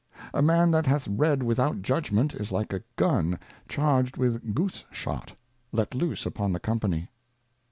A Man that hath read without Judgment, is like a Gun charged with Goose shot, let loose upon the Company.